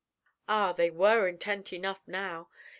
'" Ah, they were intent enough now.